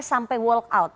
sampai walk out